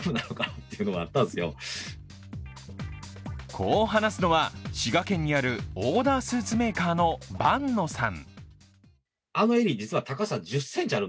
こう話すのは、滋賀県にあるオーダースーツメーカーの伴野さん。